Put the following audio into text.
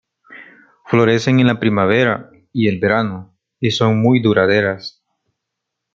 Florecen en la primavera y el verano y son muy duraderas.